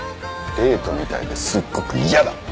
デートみたいですっごく嫌だ。